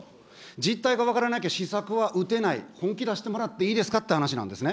実態が分からなければ、施策は打てない、本気出してもらっていいですかって話なんですね。